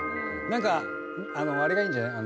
なんかあれがいいんじゃない？